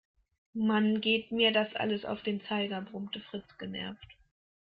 Mann, geht mir das alles auf den Zeiger, brummte Fritz genervt.